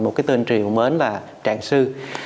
một cái tên triều mến là trạng sư